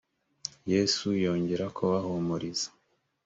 yesu yongera kubahumuriza